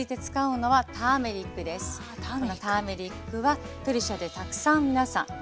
このターメリックはペルシャでたくさん皆さん料理に使います。